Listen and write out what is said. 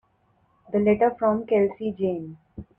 The letter from Kelsey Jane.